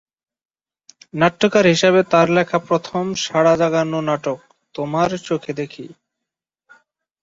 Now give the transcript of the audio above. নাট্যকার হিসেবে তার লেখা প্রথম সাড়া জাগানো নাটক 'তোমার চোখে দেখি'।